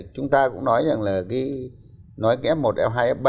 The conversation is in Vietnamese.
chúng ta cũng nói rằng là nói cái f một f hai f ba